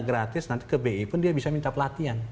gratis nanti ke bi pun dia bisa minta pelatihan